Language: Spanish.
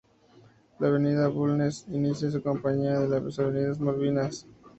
La avenida Bulnes inicia sin compañía de la avenidas Malvinas.